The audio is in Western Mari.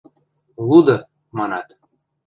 Луды, манат!